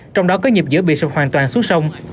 trong đó có nhịp giữa bị sập hoàn toàn xuống sông